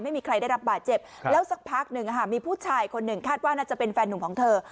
ไม่มีใครได้รับบาดเจ็บแล้วสักพักหนึ่งมีผู้ชายคนหนึ่งคาดว่าน่าจะเป็นแฟนหนุ่มของเธอ